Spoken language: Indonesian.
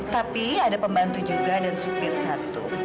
tapi ada pembantu juga dan supir satu